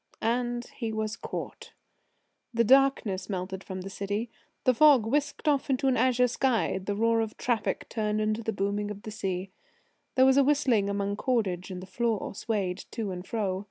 And he was caught. The darkness melted from the city. The fog whisked off into an azure sky. The roar of traffic turned into booming of the sea. There was a whistling among cordage, and the floor swayed to and fro.